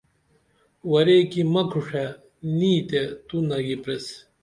ورے کی مہ کھوڜے نی تے تو نگی پریس